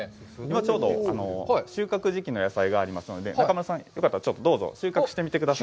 今ちょうど収穫時期の野菜がありますので中丸さん、どうぞ、よかったら収穫してみてください。